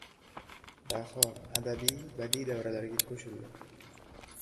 Daho adabiy-badiiy davralarga ko‘shildi.